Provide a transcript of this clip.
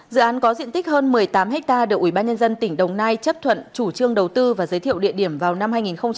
dự án có diện tích hơn một mươi tám hectare được ủy ban nhân dân tỉnh đồng nai chấp thuận chủ trương đầu tư và giới thiệu địa điểm vào năm hai nghìn một mươi sáu